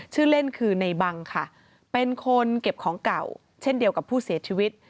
ชื่อเล่นคือในบังค่ะเป็นคนเก็บของเก่าเช่นเดียวกับผู้เสียชีวิต